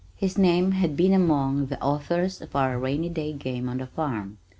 His name had been among the "Authors" of our rainy day game on the farm.